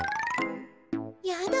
やだ。